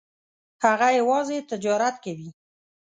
هغه یوازې تجارت کوي.